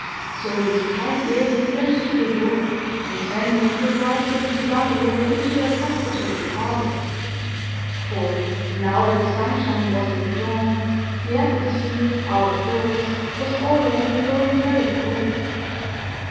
So this kind lady went to the door, intending to invite the little runaway into her comfortable parlor; for, now that the sunshine was withdrawn, the atmosphere, out of doors, was already growing very cold.